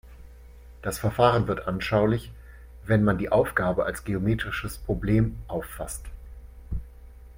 Das Verfahren wird anschaulich, wenn man die Aufgabe als geometrisches Problem auffasst.